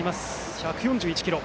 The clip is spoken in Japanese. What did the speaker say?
１４１キロ。